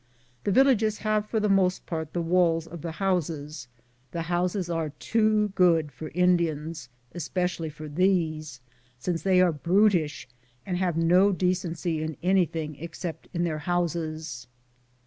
The villages have for the most part the walls of the houses ; the houses are too good for Indians, especially for these, since they are brutish and have no decency in anything except in their houses.